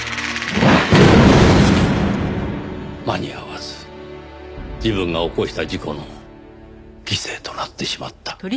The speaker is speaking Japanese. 間に合わず自分が起こした事故の犠牲となってしまった。